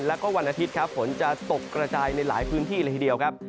แล้วก็วันอาทิตย์ครับฝนจะตกกระจายในหลายพื้นที่เลยทีเดียวครับ